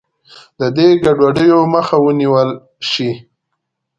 د دې ګډوډیو مخه ونیول شي.